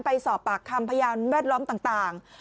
ไปสอบปากคำพยานแวดล้อมต่าง